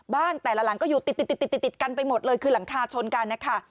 แต่ละหลังก็อยู่ติดติดกันไปหมดเลยคือหลังคาชนกันนะคะ